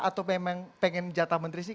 atau memang pengen jatah menteri sih